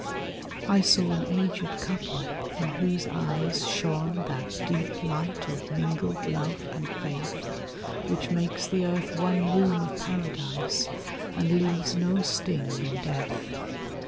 I saw an agèd couple, in whose eyes Shone that deep light of mingled love and faith, Which makes the earth one room of paradise, And leaves no sting in death.